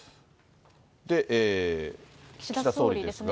岸田総理ですが。